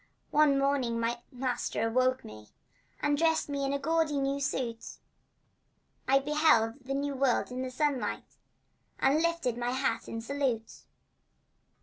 One morning my master awoke me, And, dressed in a gaudy new suit, I beheld the New World in the sunlight, And lifted my hat in salute.